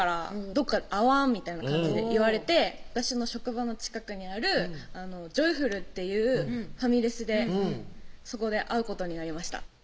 どっかで会わん？」みたいな感じで言われて私の職場の近くにあるジョイフルっていうファミレスでそこで会うことになりました